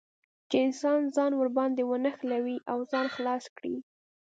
چې انسان ځان ور باندې ونښلوي او ځان خلاص کړي.